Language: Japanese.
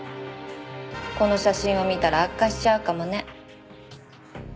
この写真を見たら悪化しちゃうかもね。